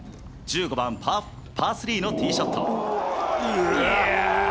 １５番パー３のティーショット。